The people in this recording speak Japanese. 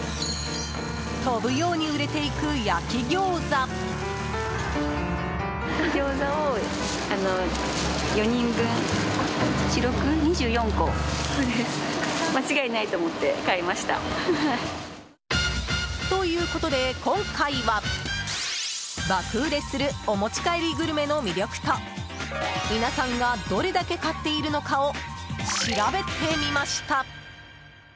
飛ぶように売れていく焼きギョーザ。ということで、今回は爆売れするお持ち帰りグルメの魅力と皆さんがどれだけ買っているのかを調べてみました。